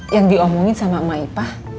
yang diomongin sama maipah